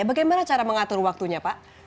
bagaimana cara mengatur waktunya pak